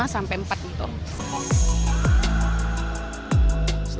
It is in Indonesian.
selain penjual durian dengan tempat istimewa